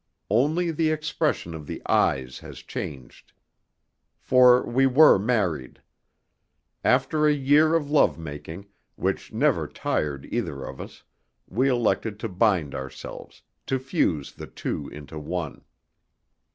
Only the expression of the eyes has changed. For we were married. After a year of love making, which never tired either of us, we elected to bind ourselves, to fuse the two into one.